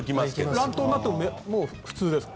乱闘になっても普通ですか？